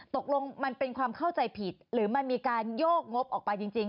ตกลงมันเป็นความเข้าใจผิดหรือมันมีการโยกงบออกไปจริง